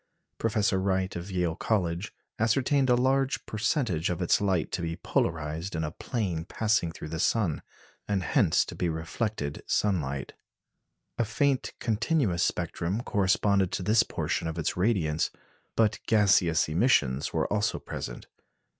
Professor Wright of Yale College ascertained a large percentage of its light to be polarized in a plane passing through the sun, and hence to be reflected sunlight. A faint continuous spectrum corresponded to this portion of its radiance; but gaseous emissions were also present.